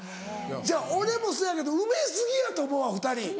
俺もそうやけど埋め過ぎやと思うわ２人。